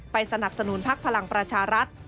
สนับสนุนพักพลังประชารัฐ